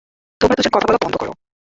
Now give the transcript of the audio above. তোমরা দুজন কথা বলা বন্ধ করো!